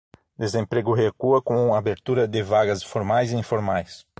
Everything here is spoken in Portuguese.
Desemprego recua com abertura de vagas formais e informais